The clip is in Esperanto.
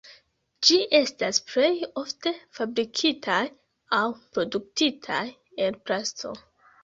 Ĝi estas plej ofte fabrikitaj aŭ produktitaj el plasto.